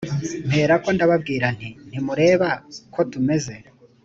mperako ndababwira nti ntimureba ko tumeze